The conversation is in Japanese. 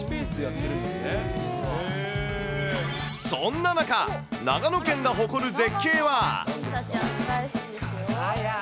そんな中、長野県が誇る絶景は。